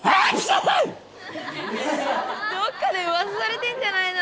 どっかで噂されてんじゃないの？